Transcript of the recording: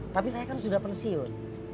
tapi saya kan sudah pensiun